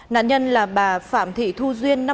nạn nhân là bà phạm thị thu duyên